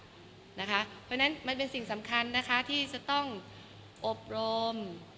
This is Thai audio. เพราะฉะนั้นมันเป็นสิ่งสำคัญนะคะที่จะต้องอบรม